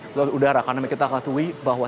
lalu udara karena kita ketahui bahwa